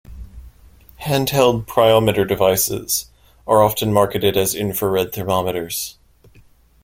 Handheld pyrometer devices are often marketed as infrared thermometers.